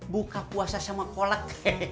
buka puasa sama kolek